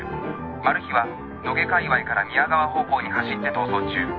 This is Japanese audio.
マル被は野毛かいわいから宮川方向に走って逃走中。